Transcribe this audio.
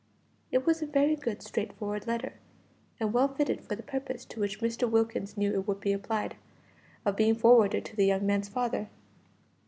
It was a very good straightforward letter and well fitted for the purpose to which Mr. Wilkins knew it would be applied of being forwarded to the young man's father.